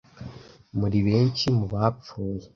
muri benshi mu bapfuye